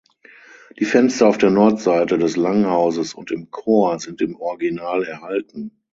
Die Fenster auf der Nordseite des Langhauses und im Chor sind im Original erhalten.